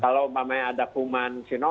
kalau umpamanya ada kuman sinova